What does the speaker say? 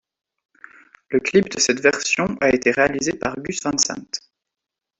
Le clip de cette version a été réalisé par Gus Van Sant.